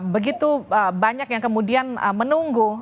begitu banyak yang kemudian menunggu